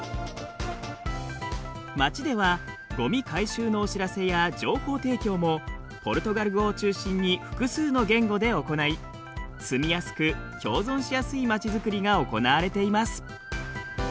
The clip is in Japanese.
町ではゴミ回収のお知らせや情報提供もポルトガル語を中心に複数の言語で行い住みやすく共存しやすい町づくりが行われています。